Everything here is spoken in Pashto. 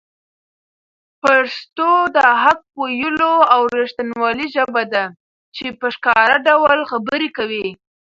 پښتو د حق ویلو او رښتینولۍ ژبه ده چي په ښکاره ډول خبرې کوي.